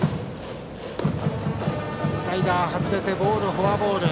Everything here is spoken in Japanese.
スライダー外れてフォアボール。